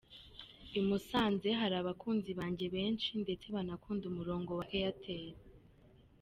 "I Musanze hari abakunzi banjye benshi ndetse banakunda umurongo wa Airtel.